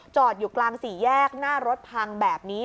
อยู่กลางสี่แยกหน้ารถพังแบบนี้